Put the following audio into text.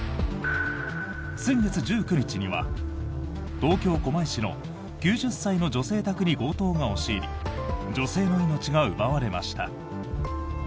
先月１９日には東京・狛江市の９０歳の女性宅に強盗が押し入り女性の命が奪われました。